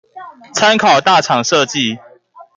參考大廠設計